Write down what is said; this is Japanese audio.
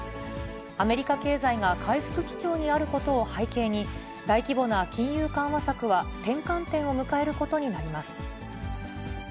アメリカ経済が回復基調にあることを背景に、大規模な金融緩和策は転換点を迎えることになります。